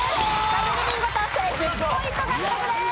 ダブルビンゴ達成１０ポイント獲得です。